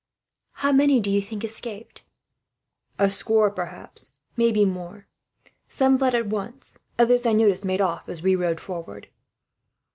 "How many do you think escaped?" "A score perhaps, or it may be more. Some fled at once. Others I noticed make off, as we rode forward."